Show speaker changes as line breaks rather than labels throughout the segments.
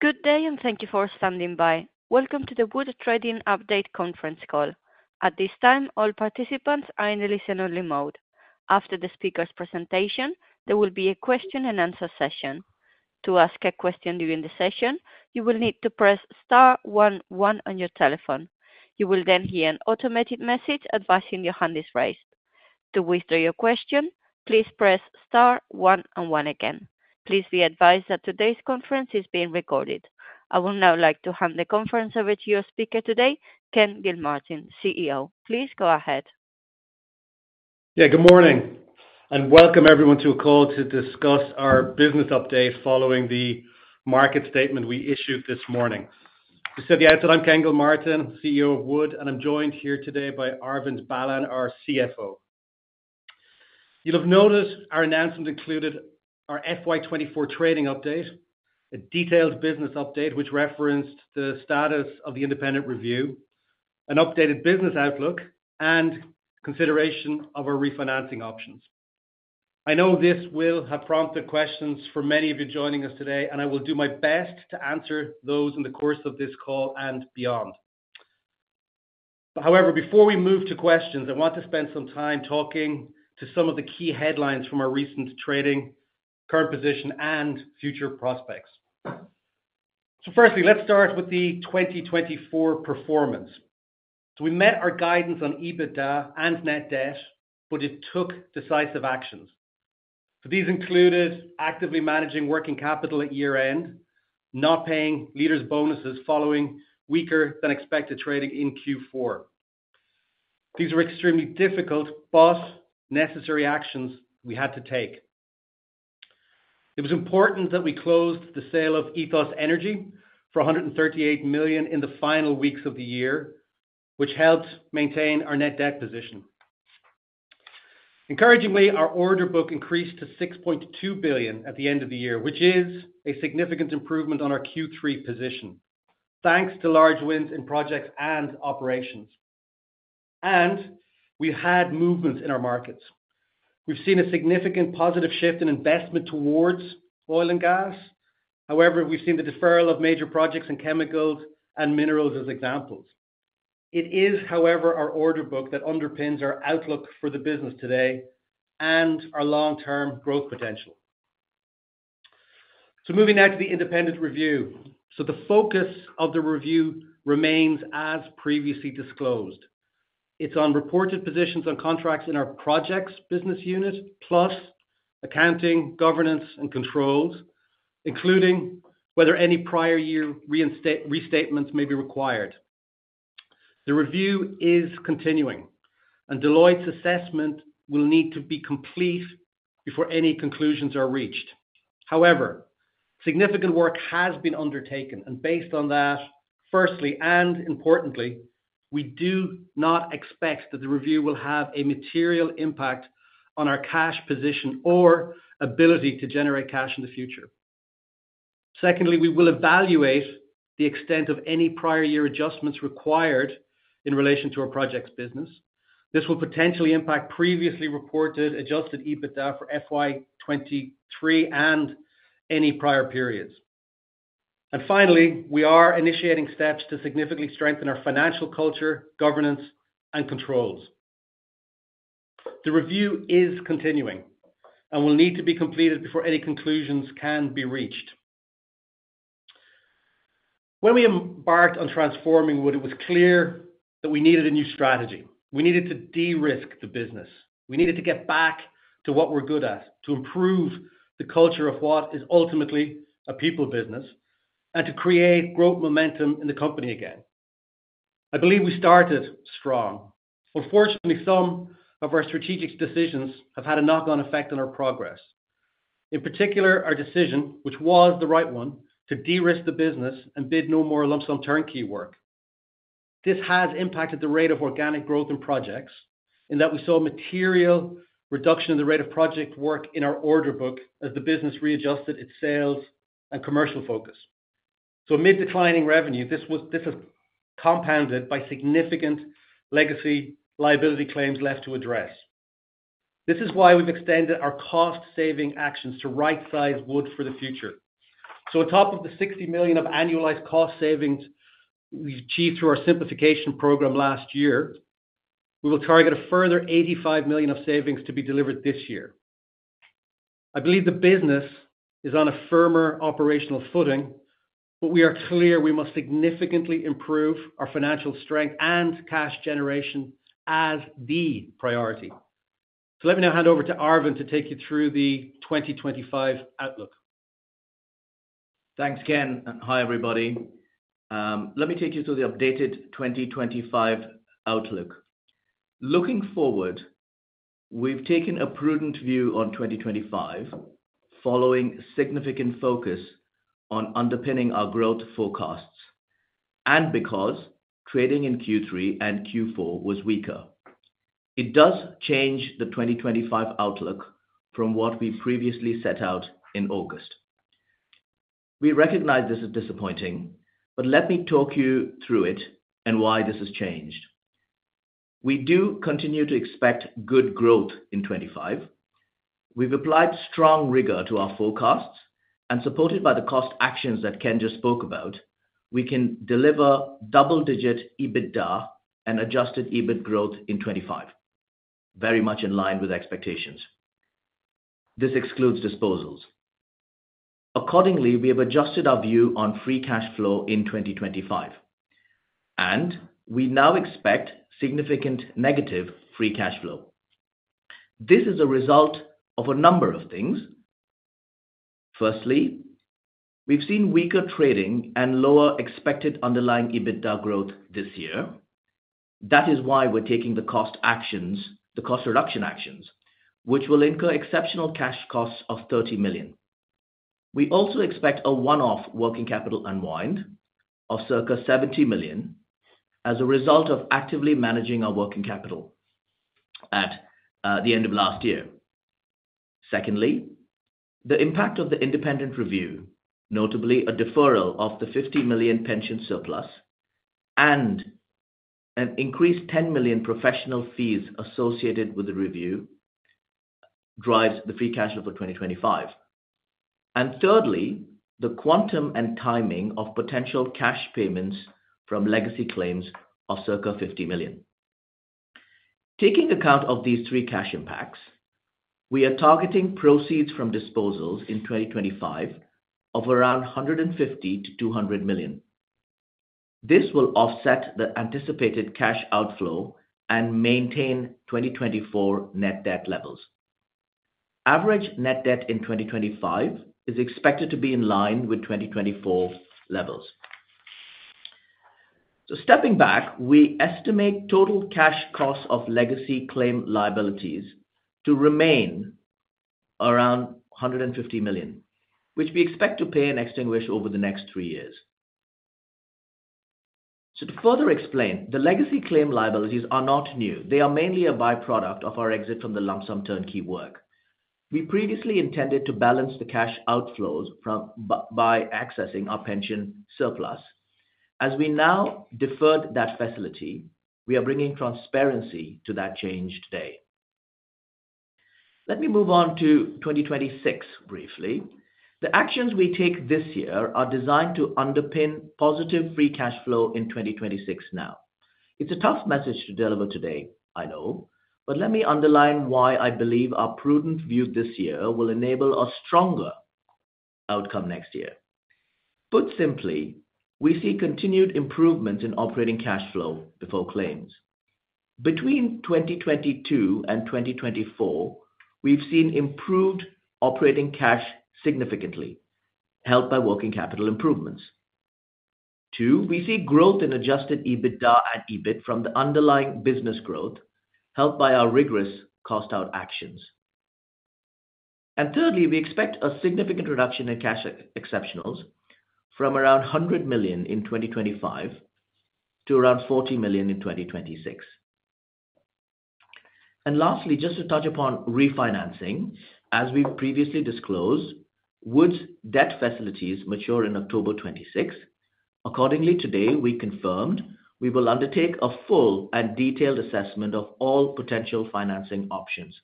Good day, and thank you for standing by. Welcome to the Wood Trading Update Conference Call. At this time, all participants are in a listen-only mode. After the speaker's presentation, there will be a question-and-answer session. To ask a question during the session, you will need to press star one one on your telephone. You will then hear an automated message advising your hand is raised. To withdraw your question, please press star one one again. Please be advised that today's conference is being recorded. I would now like to hand the conference over to your speaker today, Ken Gilmartin, CEO. Please go ahead.
Yeah, good morning, and welcome everyone to a call to discuss our business update following the market statement we issued this morning. This is the editor, I'm Ken Gilmartin, CEO of Wood, and I'm joined here today by Arvind Balan, our CFO. You'll have noticed our announcement included our FY 2024 trading update, a detailed business update which referenced the status of the independent review, an updated business outlook, and consideration of our refinancing options. I know this will have prompted questions for many of you joining us today, and I will do my best to answer those in the course of this call and beyond. However, before we move to questions, I want to spend some time talking to some of the key headlines from our recent trading, current position, and future prospects. Firstly, let's start with the 2024 performance. We met our guidance on EBITDA and net debt, but it took decisive actions. These included actively managing working capital at year-end, not paying leaders' bonuses following weaker-than-expected trading in Q4. These were extremely difficult but necessary actions we had to take. It was important that we closed the sale of EthosEnergy for $138 million in the final weeks of the year, which helped maintain our net debt position. Encouragingly, our order book increased to $6.2 billion at the end of the year, which is a significant improvement on our Q3 position, thanks to large wins in projects and operations. We have had movements in our markets. We have seen a significant positive shift in investment towards oil and gas. However, we have seen the deferral of major projects in chemicals and minerals as examples. It is, however, our order book that underpins our outlook for the business today and our long-term growth potential. Moving now to the independent review. The focus of the review remains as previously disclosed. It is on reported positions on contracts in our Projects business unit, plus accounting, governance, and controls, including whether any prior year restatements may be required. The review is continuing, and Deloitte's assessment will need to be complete before any conclusions are reached. However, significant work has been undertaken, and based on that, firstly and importantly, we do not expect that the review will have a material impact on our cash position or ability to generate cash in the future. Secondly, we will evaluate the extent of any prior year adjustments required in relation to our projects business. This will potentially impact previously reported adjusted EBITDA for 2023 and any prior periods. Finally, we are initiating steps to significantly strengthen our financial culture, governance, and controls. The review is continuing and will need to be completed before any conclusions can be reached. When we embarked on transforming Wood, it was clear that we needed a new strategy. We needed to de-risk the business. We needed to get back to what we're good at, to improve the culture of what is ultimately a people business, and to create growth momentum in the company again. I believe we started strong. Unfortunately, some of our strategic decisions have had a knock-on effect on our progress. In particular, our decision, which was the right one, to de-risk the business and bid no more lump sum turnkey work. This has impacted the rate of organic growth in projects in that we saw a material reduction in the rate of project work in our order book as the business readjusted its sales and commercial focus. Amid declining revenue, this has compounded by significant legacy liability claims left to address. This is why we've extended our cost-saving actions to right-size Wood for the future. On top of the $60 million of annualized cost savings we've achieved through our simplification program last year, we will target a further $85 million of savings to be delivered this year. I believe the business is on a firmer operational footing, but we are clear we must significantly improve our financial strength and cash generation as the priority. Let me now hand over to Arvind to take you through the 2025 outlook.
Thanks, Ken. Hi, everybody. Let me take you through the updated 2025 outlook. Looking forward, we've taken a prudent view on 2025 following significant focus on underpinning our growth forecasts and because trading in Q3 and Q4 was weaker. It does change the 2025 outlook from what we previously set out in August. We recognize this is disappointing, but let me talk you through it and why this has changed. We do continue to expect good growth in 2025. We've applied strong rigor to our forecasts, and supported by the cost actions that Ken just spoke about, we can deliver double-digit EBITDA and adjusted EBIT growth in 2025, very much in line with expectations. This excludes disposals. Accordingly, we have adjusted our view on free cash flow in 2025, and we now expect significant negative free cash flow. This is a result of a number of things. Firstly, we've seen weaker trading and lower expected underlying EBITDA growth this year. That is why we're taking the cost reduction actions, which will incur exceptional cash costs of $30 million. We also expect a one-off working capital unwind of circa $70 million as a result of actively managing our working capital at the end of last year. Secondly, the impact of the independent review, notably a deferral of the $50 million pension surplus and an increased $10 million professional fees associated with the review, drives the free cash flow for 2025. Thirdly, the quantum and timing of potential cash payments from legacy claims of circa $50 million. Taking account of these three cash impacts, we are targeting proceeds from disposals in 2025 of around $150 million-$200 million. This will offset the anticipated cash outflow and maintain 2024 net debt levels. Average net debt in 2025 is expected to be in line with 2024 levels. Stepping back, we estimate total cash costs of legacy claim liabilities to remain around $150 million, which we expect to pay and extinguish over the next three years. To further explain, the legacy claim liabilities are not new. They are mainly a byproduct of our exit from the lump sum turnkey work. We previously intended to balance the cash outflows by accessing our pension surplus. As we have now deferred that facility, we are bringing transparency to that change today. Let me move on to 2026 briefly. The actions we take this year are designed to underpin positive free cash flow in 2026 now. It's a tough message to deliver today, I know, but let me underline why I believe our prudent view this year will enable a stronger outcome next year. Put simply, we see continued improvements in operating cash flow before claims. Between 2022 and 2024, we've seen improved operating cash significantly, helped by working capital improvements. Two, we see growth in adjusted EBITDA and EBIT from the underlying business growth, helped by our rigorous cost-out actions. Thirdly, we expect a significant reduction in cash exceptionals from around $100 million in 2025 to around $40 million in 2026. Lastly, just to touch upon refinancing, as we've previously disclosed, Wood's debt facilities mature in October 2026. Accordingly, today we confirmed we will undertake a full and detailed assessment of all potential financing options.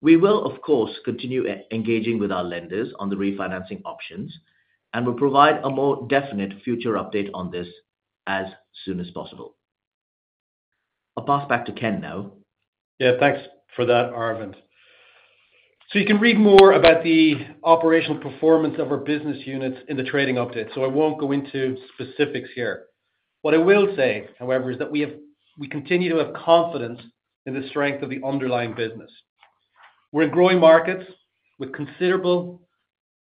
We will, of course, continue engaging with our lenders on the refinancing options and will provide a more definite future update on this as soon as possible. I'll pass back to Ken now.
Yeah, thanks for that, Arvind. You can read more about the operational performance of our business units in the trading update, so I won't go into specifics here. What I will say, however, is that we continue to have confidence in the strength of the underlying business. We're in growing markets with considerable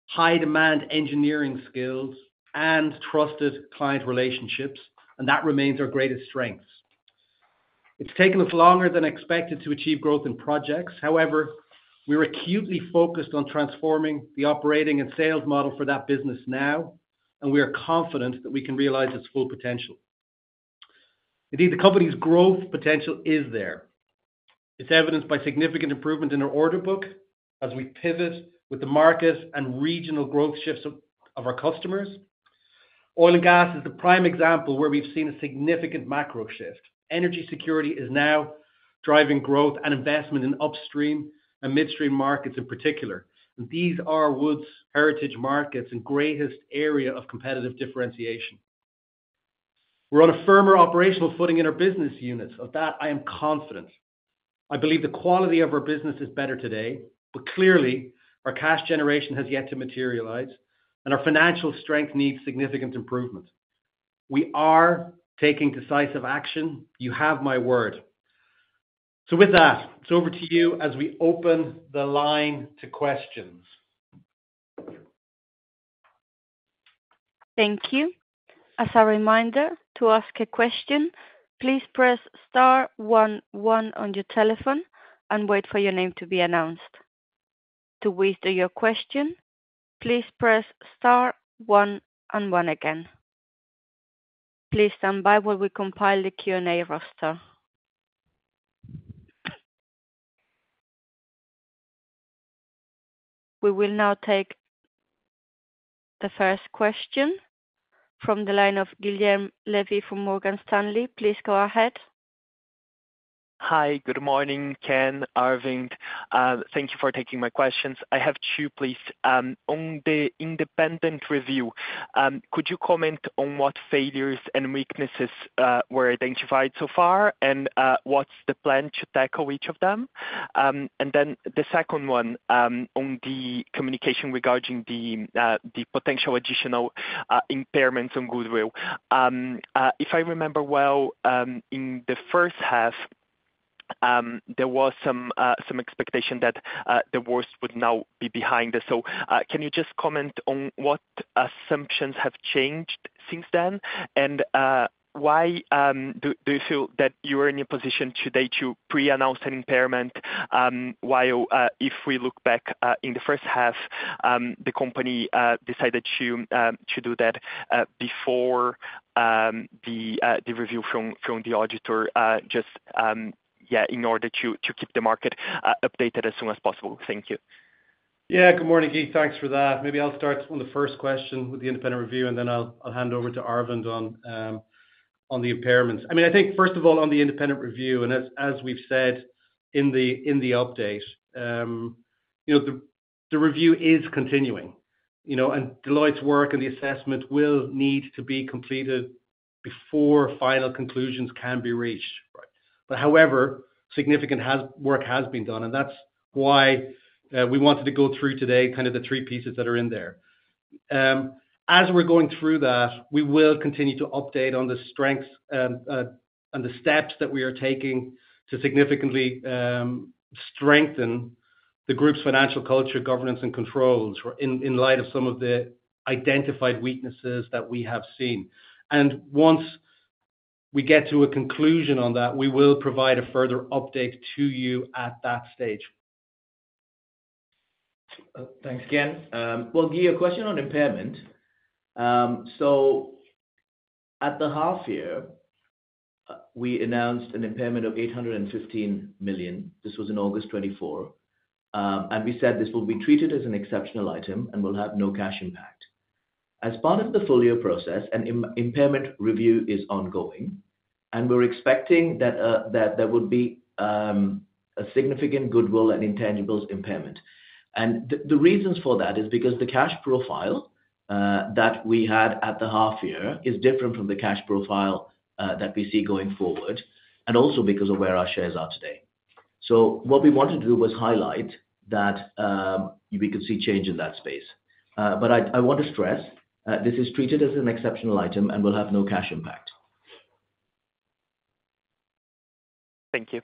high-demand engineering skills and trusted client relationships, and that remains our greatest strength. It's taken us longer than expected to achieve growth in projects. However, we're acutely focused on transforming the operating and sales model for that business now, and we are confident that we can realize its full potential. Indeed, the company's growth potential is there. It's evidenced by significant improvement in our order book as we pivot with the markets and regional growth shifts of our customers. Oil and gas is the prime example where we've seen a significant macro shift. Energy security is now driving growth and investment in upstream and midstream markets in particular. These are Wood's heritage markets and greatest area of competitive differentiation. We're on a firmer operational footing in our business units. Of that, I am confident. I believe the quality of our business is better today, but clearly, our cash generation has yet to materialize, and our financial strength needs significant improvement. We are taking decisive action. You have my word. With that, it's over to you as we open the line to questions.
Thank you. As a reminder, to ask a question, please press star one one on your telephone and wait for your name to be announced. To withdraw your question, please press star one and one again. Please stand by while we compile the Q&A roster. We will now take the first question from the line of Guilherme Levy from Morgan Stanley. Please go ahead.
Hi, good morning, Ken, Arvind. Thank you for taking my questions. I have two, please. On the independent review, could you comment on what failures and weaknesses were identified so far, and what is the plan to tackle each of them? The second one on the communication regarding the potential additional impairments on Goodwill. If I remember well, in the first half, there was some expectation that the worst would now be behind us. Can you just comment on what assumptions have changed since then, and why do you feel that you are in a position today to pre-announce an impairment while, if we look back in the first half, the company decided to do that before the review from the auditor, just, yeah, in order to keep the market updated as soon as possible? Thank you.
Yeah, good morning, Keith. Thanks for that. Maybe I'll start on the first question with the independent review, and then I'll hand over to Arvind on the impairments. I mean, I think, first of all, on the independent review, and as we've said in the update, the review is continuing, and Deloitte's work and the assessment will need to be completed before final conclusions can be reached. However, significant work has been done, and that's why we wanted to go through today kind of the three pieces that are in there. As we're going through that, we will continue to update on the strengths and the steps that we are taking to significantly strengthen the group's financial culture, governance, and controls in light of some of the identified weaknesses that we have seen. Once we get to a conclusion on that, we will provide a further update to you at that stage.
Thanks, Ken. Guy, your question on impairment. At the half year, we announced an impairment of $815 million. This was in August 2024, and we said this will be treated as an exceptional item and will have no cash impact. As part of the full year process, an impairment review is ongoing, and we're expecting that there would be a significant Goodwill and intangibles impairment. The reasons for that are because the cash profile that we had at the half year is different from the cash profile that we see going forward, and also because of where our shares are today. What we wanted to do was highlight that we could see change in that space. I want to stress this is treated as an exceptional item and will have no cash impact.
Thank you.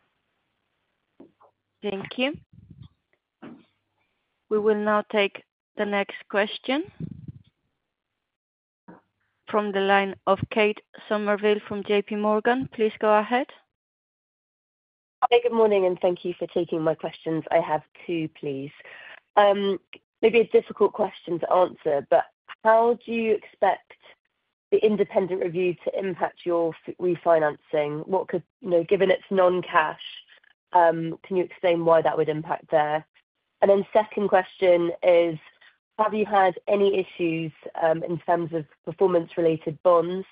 Thank you. We will now take the next question from the line of Kate Somerville from JPMorgan. Please go ahead.
Hi, good morning, and thank you for taking my questions. I have two, please. Maybe a difficult question to answer, but how do you expect the independent review to impact your refinancing? Given it's non-cash, can you explain why that would impact there? My second question is, have you had any issues in terms of performance-related bonds,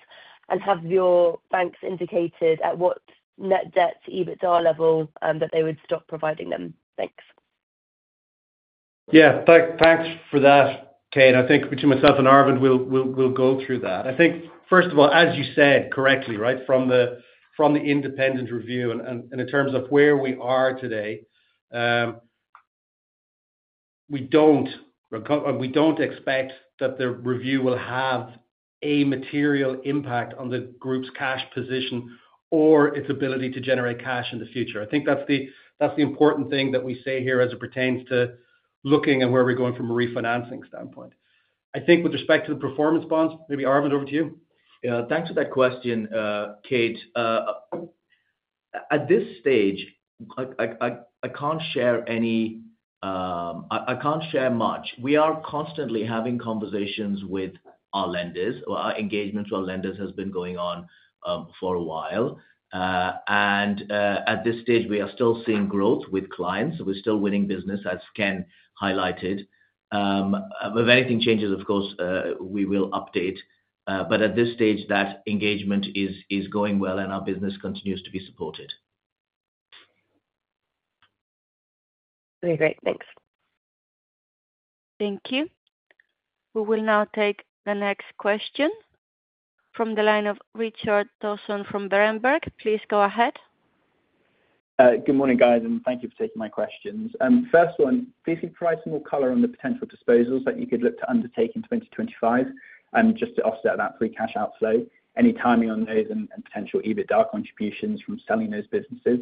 and have your banks indicated at what net debt to EBITDA level that they would stop providing them? Thanks.
Yeah, thanks for that, Kate. I think between myself and Arvind, we'll go through that. I think, first of all, as you said correctly, right, from the independent review, and in terms of where we are today, we don't expect that the review will have a material impact on the group's cash position or its ability to generate cash in the future. I think that's the important thing that we say here as it pertains to looking at where we're going from a refinancing standpoint. I think with respect to the performance bonds, maybe Arvind, over to you.
Yeah, thanks for that question, Kate. At this stage, I can't share much. We are constantly having conversations with our lenders. Our engagement with our lenders has been going on for a while. At this stage, we are still seeing growth with clients. We're still winning business, as Ken highlighted. If anything changes, of course, we will update. At this stage, that engagement is going well, and our business continues to be supported.
Okay, great. Thanks.
Thank you. We will now take the next question from the line of Richard Dawson from Berenberg. Please go ahead.
Good morning, guys, and thank you for taking my questions. First one, please provide some more color on the potential disposals that you could look to undertake in 2025, just to offset that free cash outflow, any timing on those and potential EBITDA contributions from selling those businesses.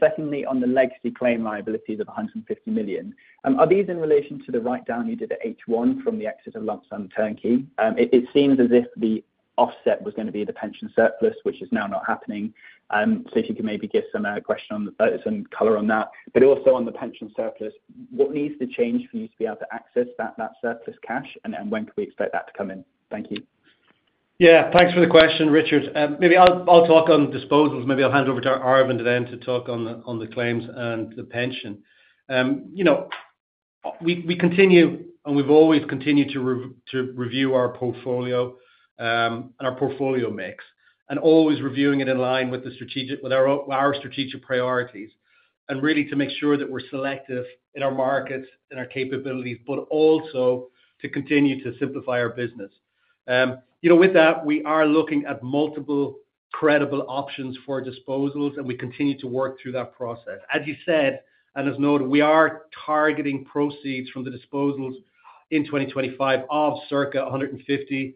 Secondly, on the legacy claim liabilities of $150 million. Are these in relation to the write-down you did at H1 from the exit of lump sum turnkey? It seems as if the offset was going to be the pension surplus, which is now not happening. If you can maybe give some color on that. Also on the pension surplus, what needs to change for you to be able to access that surplus cash, and when can we expect that to come in? Thank you.
Yeah, thanks for the question, Richard. Maybe I'll talk on disposals. Maybe I'll hand over to Arvind then to talk on the claims and the pension. We continue, and we've always continued to review our portfolio and our portfolio mix, and always reviewing it in line with our strategic priorities, and really to make sure that we're selective in our markets, in our capabilities, but also to continue to simplify our business. With that, we are looking at multiple credible options for disposals, and we continue to work through that process. As you said, and as noted, we are targeting proceeds from the disposals in 2025 of circa $150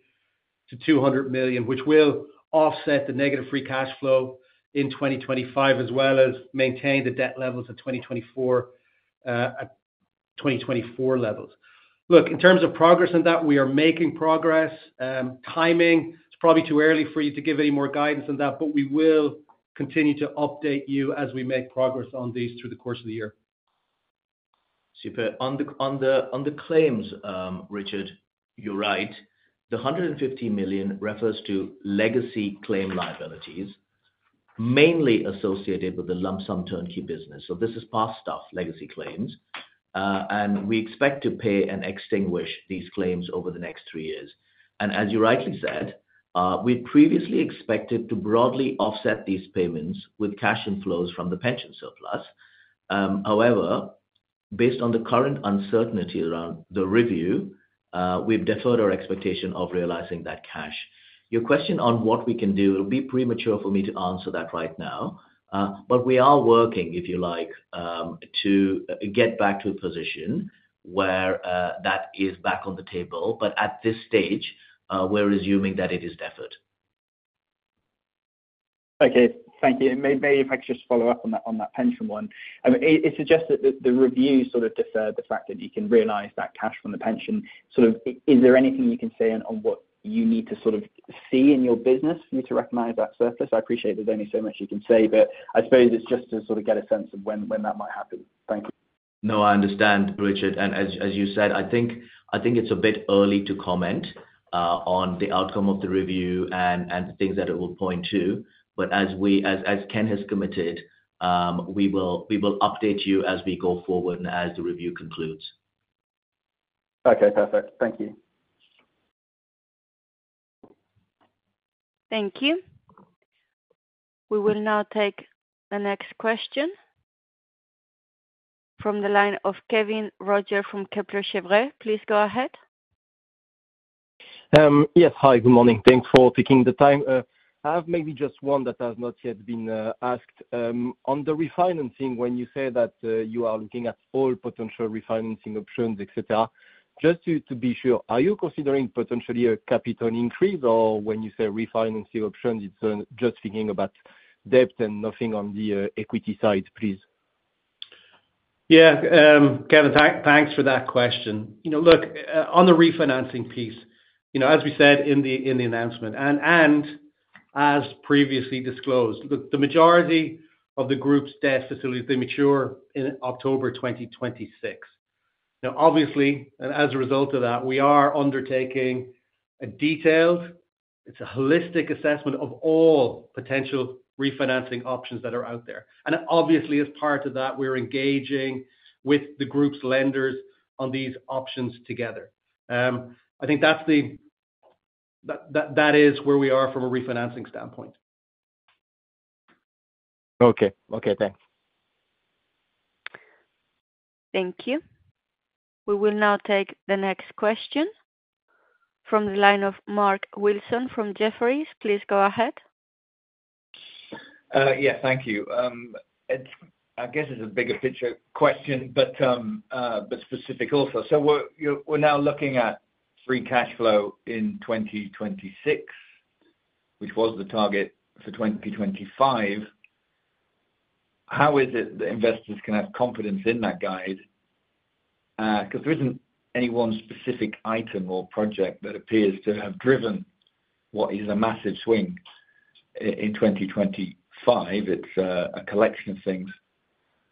million-$200 million, which will offset the negative free cash flow in 2025, as well as maintain the debt levels at 2024 levels. Look, in terms of progress on that, we are making progress. Timing, it's probably too early for you to give any more guidance on that, but we will continue to update you as we make progress on these through the course of the year.
Super. On the claims, Richard, you're right. The $150 million refers to legacy claim liabilities, mainly associated with the lump sum turnkey business. This is past stuff, legacy claims. We expect to pay and extinguish these claims over the next three years. As you rightly said, we previously expected to broadly offset these payments with cash inflows from the pension surplus. However, based on the current uncertainty around the review, we've deferred our expectation of realizing that cash. Your question on what we can do will be premature for me to answer that right now, but we are working, if you like, to get back to a position where that is back on the table. At this stage, we're assuming that it is deferred.
Okay, thank you. Maybe if I could just follow up on that pension one. It suggests that the review sort of deferred the fact that you can realize that cash from the pension. Is there anything you can say on what you need to sort of see in your business for you to recognize that surplus? I appreciate there's only so much you can say, but I suppose it's just to sort of get a sense of when that might happen. Thank you.
No, I understand, Richard. As you said, I think it's a bit early to comment on the outcome of the review and the things that it will point to. As Ken has committed, we will update you as we go forward and as the review concludes.
Okay, perfect. Thank you.
Thank you. We will now take the next question from the line of Kévin Roger from Kepler Cheuvreux. Please go ahead.
Yes, hi, good morning. Thanks for taking the time. I have maybe just one that has not yet been asked. On the refinancing, when you say that you are looking at all potential refinancing options, etc., just to be sure, are you considering potentially a capital increase, or when you say refinancing options, it's just thinking about debt and nothing on the equity side, please?
Yeah, Kévin, thanks for that question. Look, on the refinancing piece, as we said in the announcement and as previously disclosed, the majority of the group's debt facilities mature in October 2026. Now, obviously, as a result of that, we are undertaking a detailed, it's a holistic assessment of all potential refinancing options that are out there. Obviously, as part of that, we're engaging with the group's lenders on these options together. I think that is where we are from a refinancing standpoint.
Okay, okay, thanks.
Thank you. We will now take the next question from the line of Mark Wilson from Jefferies. Please go ahead.
Yeah, thank you. I guess it's a bigger picture question, but specific also. We are now looking at free cash flow in 2026, which was the target for 2025. How is it that investors can have confidence in that guide? Because there isn't any one specific item or project that appears to have driven what is a massive swing in 2025. It's a collection of things.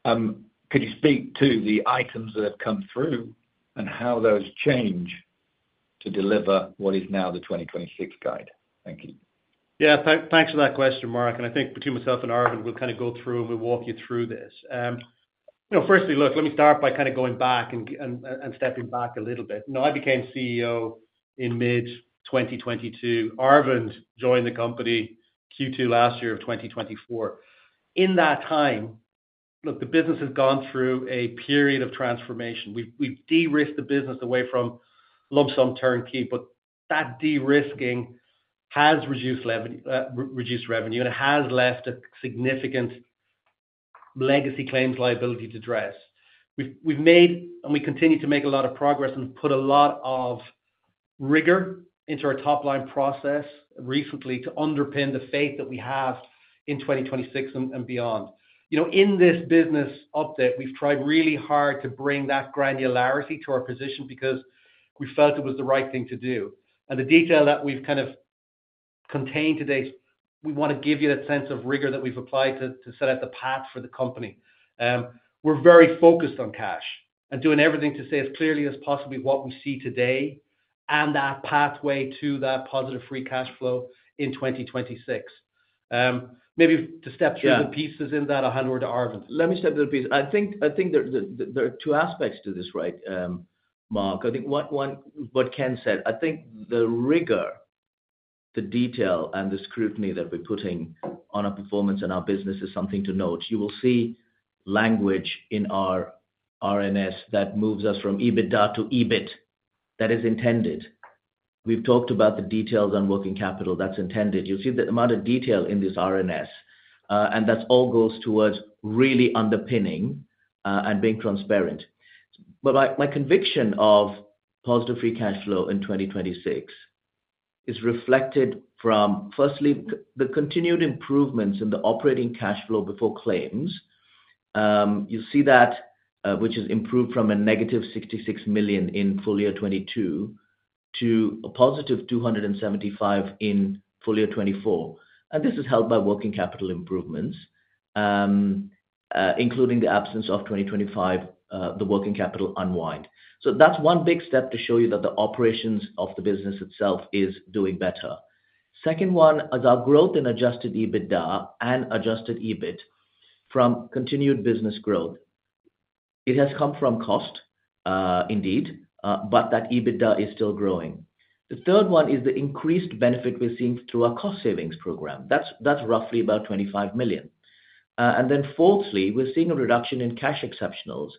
Could you speak to the items that have come through and how those change to deliver what is now the 2026 guide? Thank you.
Yeah, thanks for that question, Mark. I think between myself and Arvind, we'll kind of go through and we'll walk you through this. Firstly, look, let me start by kind of going back and stepping back a little bit. I became CEO in mid-2022. Arvind joined the company Q2 last year of 2024. In that time, look, the business has gone through a period of transformation. We've de-risked the business away from lump sum turnkey, but that de-risking has reduced revenue, and it has left a significant legacy claims liability to address. We've made and we continue to make a lot of progress and put a lot of rigor into our top-line process recently to underpin the faith that we have in 2026 and beyond. In this business update, we've tried really hard to bring that granularity to our position because we felt it was the right thing to do. The detail that we've kind of contained today, we want to give you that sense of rigor that we've applied to set up the path for the company. We're very focused on cash and doing everything to say as clearly as possible what we see today and that pathway to that positive free cash flow in 2026. Maybe to step through the pieces in that, I'll hand over to Arvind.
Let me step through the pieces. I think there are two aspects to this, right, Mark? I think what Ken said, I think the rigor, the detail, and the scrutiny that we're putting on our performance and our business is something to note. You will see language in our RNS that moves us from EBITDA to EBIT that is intended. We've talked about the details on working capital that's intended. You will see the amount of detail in this RNS, and that all goes towards really underpinning and being transparent. My conviction of positive free cash flow in 2026 is reflected from, firstly, the continued improvements in the operating cash flow before claims. You see that, which has improved from a negative $66 million in full year 2022 to a positive $275 million in full year 2024. This is held by working capital improvements, including the absence of 2025, the working capital unwind. That is one big step to show you that the operations of the business itself is doing better. The second one is our growth in adjusted EBITDA and adjusted EBIT from continued business growth. It has come from cost, indeed, but that EBITDA is still growing. The third one is the increased benefit we are seeing through our cost savings program. That is roughly about $25 million. Fourthly, we are seeing a reduction in cash exceptionals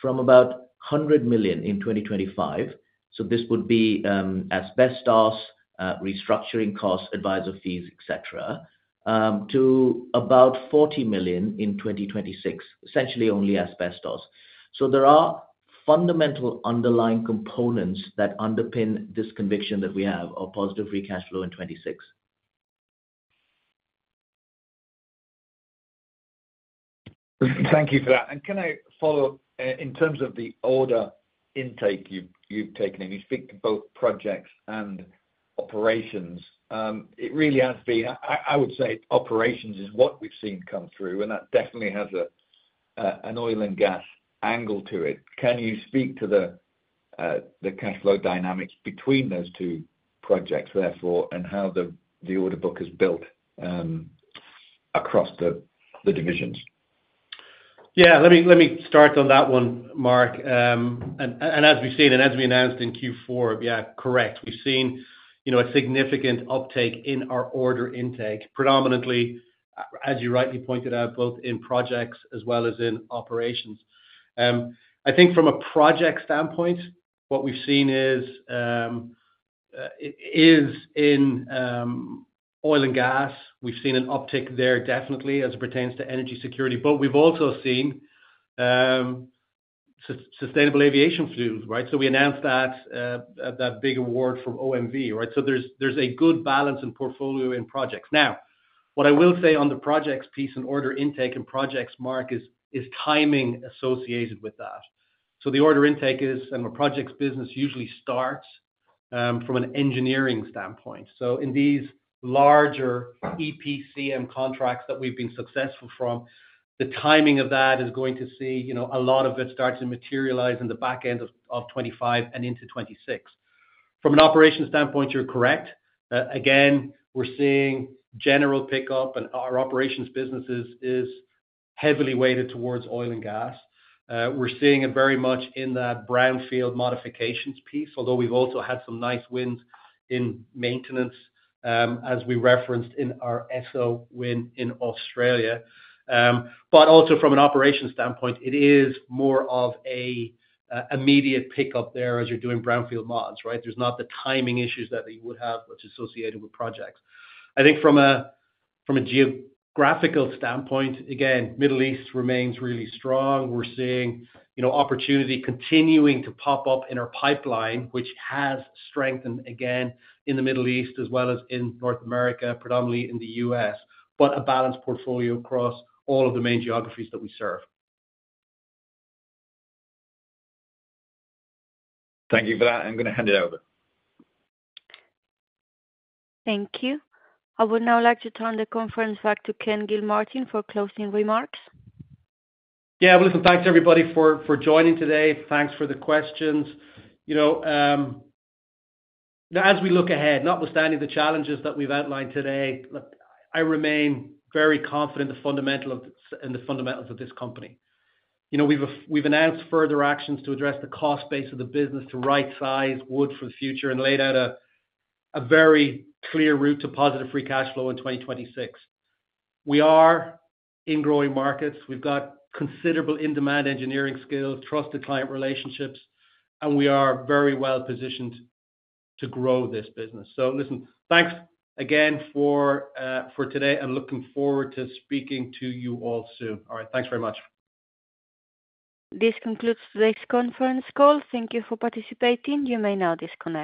from about $100 million in 2025. This would be asbestos, restructuring costs, advisor fees, etc., to about $40 million in 2026, essentially only asbestos. There are fundamental underlying components that underpin this conviction that we have of positive free cash flow in 2026.
Thank you for that. Can I follow up in terms of the order intake you've taken in? You speak to both projects and operations. It really has been, I would say, operations is what we've seen come through, and that definitely has an oil and gas angle to it. Can you speak to the cash flow dynamics between those two projects, therefore, and how the order book is built across the divisions?
Yeah, let me start on that one, Mark. As we've seen and as we announced in Q4, yeah, correct, we've seen a significant uptake in our order intake, predominantly, as you rightly pointed out, both in projects as well as in operations. I think from a project standpoint, what we've seen is in oil and gas, we've seen an uptick there definitely as it pertains to energy security, but we've also seen sustainable aviation fuels, right? We announced that big award from OMV, right? There's a good balance in portfolio in projects. Now, what I will say on the Projects piece and order intake and projects, Mark, is timing associated with that. The order intake is, and the projects business usually starts from an engineering standpoint. In these larger EPCM contracts that we've been successful from, the timing of that is going to see a lot of it start to materialize in the back end of 2025 and into 2026. From an operations standpoint, you're correct. Again, we're seeing general pickup, and our operations business is heavily weighted towards oil and gas. We're seeing it very much in that brownfield modifications piece, although we've also had some nice wins in maintenance, as we referenced in our Esso win in Australia. Also, from an operations standpoint, it is more of an immediate pickup there as you're doing brownfield mods, right? There's not the timing issues that you would have that's associated with projects. I think from a geographical standpoint, again, the Middle East remains really strong. We're seeing opportunity continuing to pop up in our pipeline, which has strengthened again in the Middle East as well as in North America, predominantly in the U.S., but a balanced portfolio across all of the main geographies that we serve.
Thank you for that. I'm going to hand it over.
Thank you. I would now like to turn the conference back to Ken Gilmartin for closing remarks.
Yeah, listen, thanks everybody for joining today. Thanks for the questions. As we look ahead, notwithstanding the challenges that we've outlined today, I remain very confident in the fundamentals of this company. We've announced further actions to address the cost base of the business to right-size Wood for the future and laid out a very clear route to positive free cash flow in 2026. We are in growing markets. We've got considerable in-demand engineering skills, trusted client relationships, and we are very well positioned to grow this business. Listen, thanks again for today. I'm looking forward to speaking to you all soon. All right, thanks very much.
This concludes today's conference call. Thank you for participating. You may now disconnect.